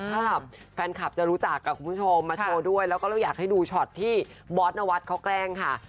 ถ้าแบบแฟนคลับจะรู้จักกับคุณผู้ชมมาโชว์ด้วยแล้วก็เราอยากให้ดูช็อตที่บอสนวัฒน์เขาแกล้งค่ะ